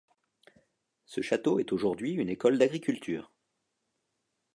Ce chateau est aujourd'hui une école d'agriculture.